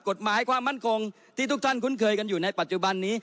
กฎหมายความมั่นคงที่ทุกท่านคุ้นเคยกันอยู่ในปัจจุบันนี้